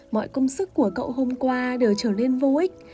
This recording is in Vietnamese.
mọi công sức của cậu hôm qua đều trở nên vô ích